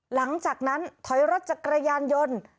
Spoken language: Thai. หลังจากนั้นถอยรถจักรยานยนต์